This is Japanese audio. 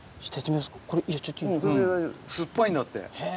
酸っぱいんだって。